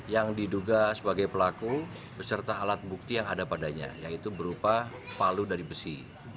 yang diduga sebagai pelaku beserta alat bukti yang ada padanya yaitu berupa palu dari besi